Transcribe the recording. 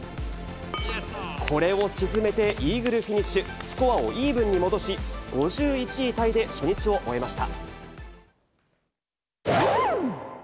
これを沈めてイーグルフィニッシュ、スコアをイーブンに戻し、５１位タイで初日を終えました。